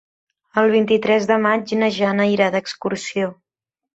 El vint-i-tres de maig na Jana irà d'excursió.